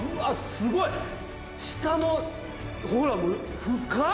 すごい！下のほらもう深っ！